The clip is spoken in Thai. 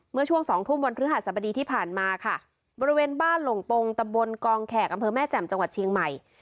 เมื่อช่วงสองทุ่มวันพฤหัสบดีที่ผ่านมาค่ะบริเวณบ้านหลงปงตำบลกองแขกอำเภอแม่แจ่มจังหวัดเชียงใหม่